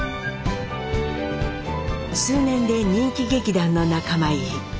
数年で人気劇団の仲間入り。